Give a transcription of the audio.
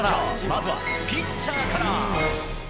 まずはピッチャーから。